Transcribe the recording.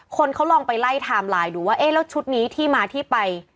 คนเขาลองไปไล่ไทม์ไลน์ดูว่าเอ๊ะแล้วชุดนี้ที่มาที่ไป